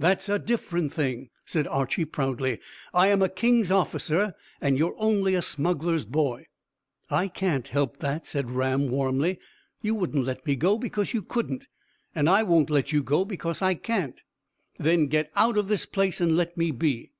"That's a different thing," said Archy proudly. "I am a king's officer, and you are only a smuggler's boy." "I can't help that," said Ram warmly. "You wouldn't let me go because you couldn't, and I won't let you go because I can't." "Then get out of this place, and let me be."